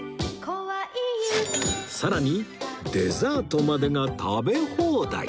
さらにデザートまでが食べ放題！